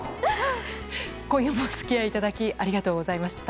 今夜もお付き合いいただきありがとうございました。